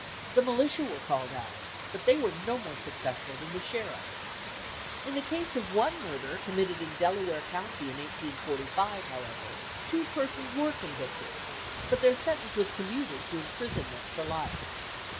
The militia were called out, but they were no more successful than the sheriff. In the case of one murder committed in Delaware County in 1845, however, two persons were convicted, but their sentence was commuted to imprisonment for life.